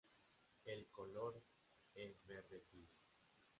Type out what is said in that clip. El color es verde tilo.